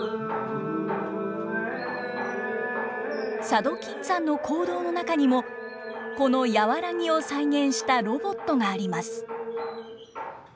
佐渡金山の坑道の中にもこの「やわらぎ」を再現したロボットがあります。